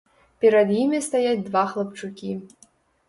Перад імі стаяць два хлапчукі.